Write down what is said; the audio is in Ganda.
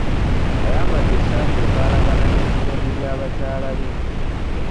Ayambadde essaati efaanagana n'ebitengi bya bakyala be.